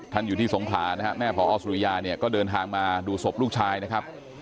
อยู่ที่สงขลานะฮะแม่พอสุริยาเนี่ยก็เดินทางมาดูศพลูกชายนะครับ